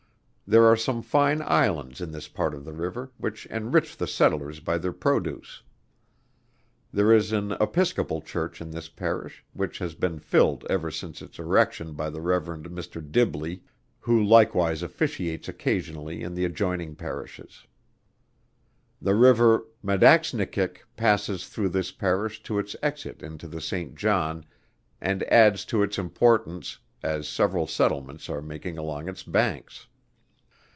There are some fine islands in this part of the river, which enrich the settlers by their produce. There is an Episcopal Church in this Parish, which has been filled ever since its erection by the Rev. Mr. DIBBLEE, who likewise officiates occasionally in the adjoining Parishes. The river Madaxnikik passes through this Parish to its exit into the Saint John, and adds to its importance, as several settlements are making along its banks.